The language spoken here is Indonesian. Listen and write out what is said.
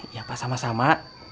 iya pak sama sama